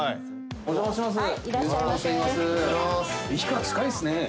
お邪魔します。